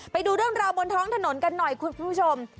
ไปดูเรื่องราวบนท้องถนนกันหน่อยคุณผู้ชม